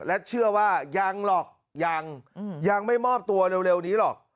และเชื่อว่ายังหรอกยังยังไม่มอบตัวเร็วนี้หรอก